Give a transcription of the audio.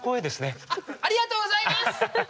ありがとうございます！